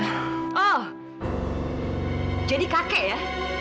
oh jadi kakek ya